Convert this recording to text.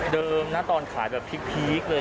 เดิมนะตอนขายแบบพีกเลย